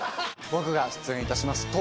僕が出演いたします